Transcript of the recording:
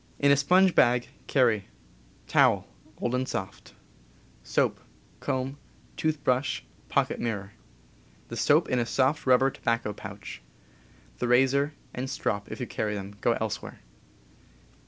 In a sponge bag carry: PERSONAL KITS 35 Towel (old and soft), soap, comb, toothbrush, pocket mirror; the soap in a soft rubber tobacco pouch. The razor and strop, if you carry them, go elsewhere.